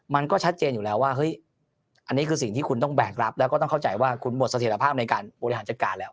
มันก็ชัดเจนอยู่แล้วว่าเฮ้ยอันนี้คือสิ่งที่คุณต้องแบกรับแล้วก็ต้องเข้าใจว่าคุณหมดเสถียรภาพในการบริหารจัดการแล้ว